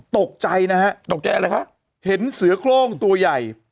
ตกใจนะฮะตกใจอะไรคะเห็นเสือโครงตัวใหญ่